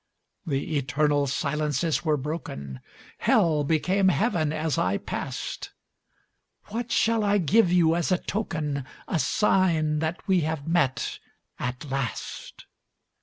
The eternal silences were broken; Hell became Heaven as I passed. What shall I give you as a token, A sign that we have met, at last?